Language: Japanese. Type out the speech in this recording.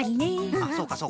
あっそうかそうか。